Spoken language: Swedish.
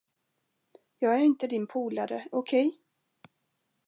Jag är inte din polare, okej?